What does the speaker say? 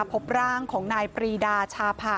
พบร่างของนายปรีดาชาผะ